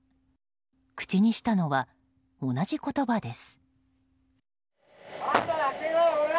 口にしたのは同じ言葉です。